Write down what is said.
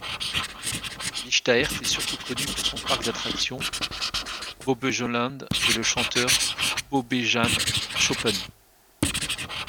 Lichtaert est surtout connu pour son parc d'attractions Bobbejaanland et le chanteur Bobbejaan Schoepen.